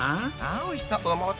あおいしそう。